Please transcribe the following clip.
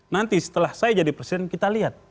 nanti setelah saya jadi presiden kita lihat